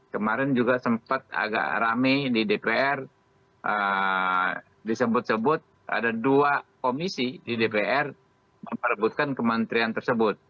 kemarin juga sempat agak rame di dpr disebut sebut ada dua komisi di dpr memperbutkan kementerian tersebut